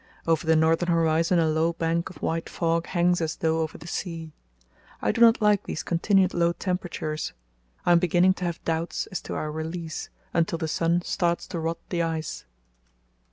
Over the northern horizon a low bank of white fog hangs as though over the sea. I do not like these continued low temperatures. I am beginning to have doubts as to our release until the sun starts to rot the ice.